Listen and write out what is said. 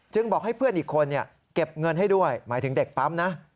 บอกให้เพื่อนอีกคนเก็บเงินให้ด้วยหมายถึงเด็กปั๊มนะ